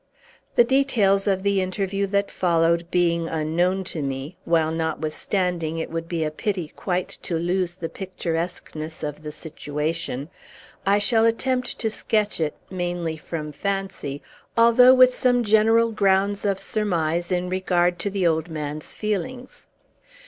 The details of the interview that followed being unknown to me, while, notwithstanding, it would be a pity quite to lose the picturesqueness of the situation, I shall attempt to sketch it, mainly from fancy, although with some general grounds of surmise in regard to the old man's feelings.